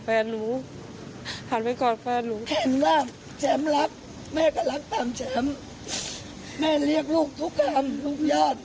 ตอนนี้คือว่าเอาให้ถึงที่สุด